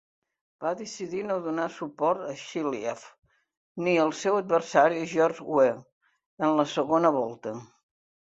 Va decidir no donar suport a Sirleaf ni el seu adversari, George Weah, en la segona volta.